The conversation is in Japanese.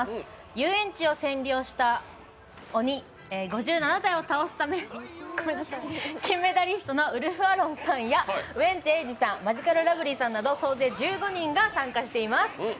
遊園地を占領した鬼５７体を倒すため金メダリストのウルフ・アロンさんやウエンツ瑛士さん、マヂカルラブリーさんなど総勢１５人が参加しています。